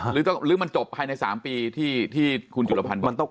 หรือมันจบภายใน๓ปีที่คุณจุลพันธ์บอก